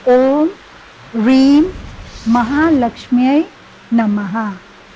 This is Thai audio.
โอมรีมมหาลักษมินมหา